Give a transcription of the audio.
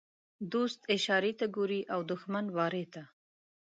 دوست اشارې ته ګوري او دښمن وارې ته.